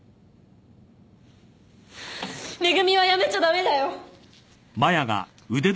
めぐみは辞めちゃ駄目だよ！